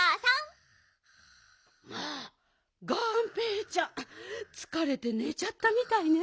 まあがんぺーちゃんつかれてねちゃったみたいね。